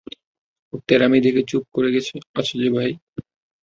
ওর ত্যাড়ামি দেখে চুপ করে আছো যে, ভাই?